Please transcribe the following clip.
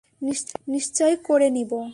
নিশ্চয়ই করে নিব।